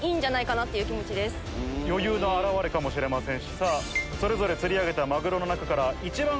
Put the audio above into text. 余裕の表れかもしれません。